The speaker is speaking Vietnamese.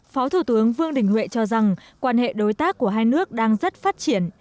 phó thủ tướng vương đình huệ cho rằng quan hệ đối tác của hai nước đang rất phát triển